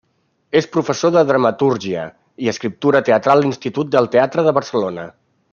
És professor de dramatúrgia i escriptura teatral a l'Institut del Teatre de Barcelona.